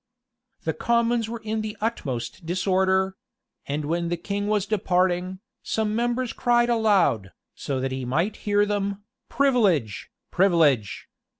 [] The commons were in the utmost disorder; and when the king was departing, some members cried aloud, so as he might hear them, "Privilege! privilege!"